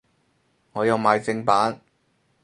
我有買正版